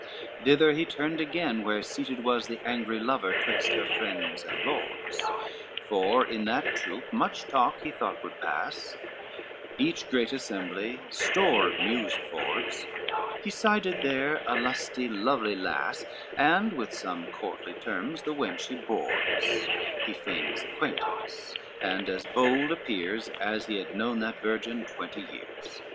LXXVII Thither he turned again where seated was, The angry lover, 'twixt her friends and lords, For in that troop much talk he thought would pass, Each great assembly store of news affords, He sided there a lusty lovely lass, And with some courtly terms the wench he boards, He feigns acquaintance, and as bold appears As he had known that virgin twenty years.